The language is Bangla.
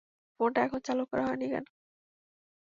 ফোনটা এখনো চালু হয়নি কেন?